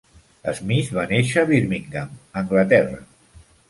Smith va néixer a Birmingham, Anglaterra.